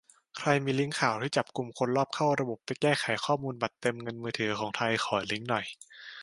ใครมีลิงก์ข่าวที่จับกุมคนลอบเข้าระบบไปแก้ข้อมูลบัตรเติมเงินมือถือ ของไทย ขอลิงก์หน่อย